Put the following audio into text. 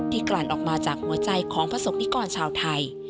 กลั่นออกมาจากหัวใจของประสบนิกรชาวไทย